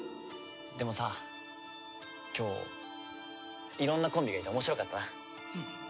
でもさ今日いろんなコンビがいて面白かったな。